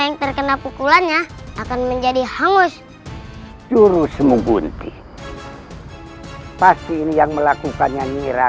yang terkena pukulannya akan menjadi hangus jurusmu gunti pasti yang melakukannya nira